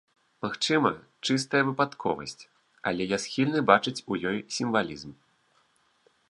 Магчыма, чыстая выпадковасць, але я схільны бачыць у ёй сімвалізм.